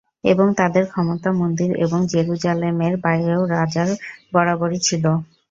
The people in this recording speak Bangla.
এবং তাদের ক্ষমতা মন্দির এবং জেরুজালেমের বাইরেও, রাজার বরাবরই ছিল।